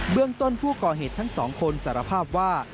เรื่องต้นผู้ก่อเหตุทั้งสองคนสารภาพว่า